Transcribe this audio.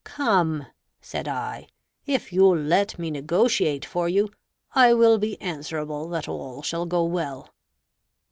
"Come" (said I), "if you'll let me negotiate for you, I will be answerable that all shall go well."